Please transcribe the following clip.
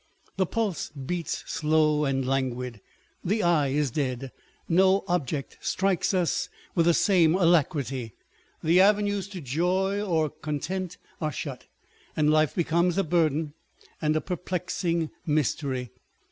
The pulse beats slow and languid, the eye is dead ; no object strikes us with the On Depth and Superficiality. 497 same alacrity ; the avenues to joy or content are shut ; and life becomes a burthen and a perplexing mystery.